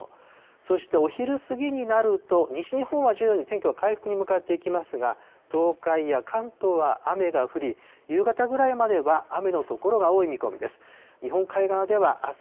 そしてお昼過ぎになると、西日本は徐々に天気は回復に向かっていきますが、東海や関東は雨が降り、夕方ぐらいまでは雨の所が多い見込みです。